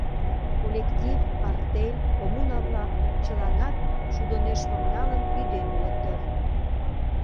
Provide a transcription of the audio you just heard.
Коллектив, артель, коммуна-влак чыланат шудо нӧшмым налын ӱден улыт дыр.